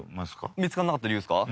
見つからなかった理由ですか？